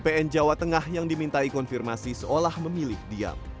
bpn jawa tengah yang dimintai konfirmasi seolah memilih diam